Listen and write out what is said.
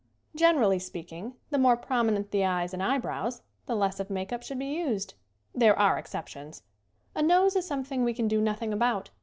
Generally speaking the more prominent the eyes and eyebrows the less of make up should be used. There are ex ceptions. A nose is something we can do nothing about.